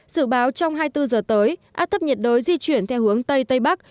sự báo trong hai mươi bốn giờ tới áp thấp nhiệt đới di chuyển theo hướng tây tây bắc